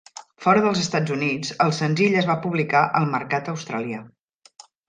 Fora dels Estats Units, el senzill es va publicar al mercat australià.